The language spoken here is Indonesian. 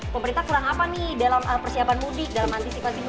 pemerintah sekarang apa nih dalam persiapan mudik dalam antisiklasi mudik